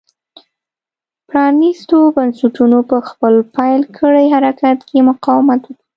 پرانېستو بنسټونو په خپل پیل کړي حرکت کې مقاومت وکړ.